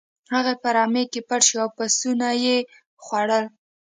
هغه په رمې کې پټ شو او پسونه یې خوړل.